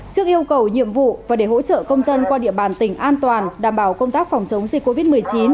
trước yêu cầu nhiệm vụ và để hỗ trợ công dân qua địa bàn tỉnh an toàn đảm bảo công tác phòng chống dịch covid một mươi chín